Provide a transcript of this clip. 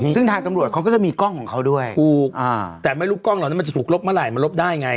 ซึ่งทางตำรวจเขาก็จะมีกล้องของเขาด้วยถูกอ่าแต่ไม่รู้กล้องเหล่านั้นมันจะถูกลบเมื่อไหร่มันลบได้ไง